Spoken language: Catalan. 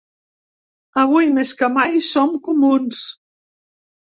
Avui, més que mai, som comuns.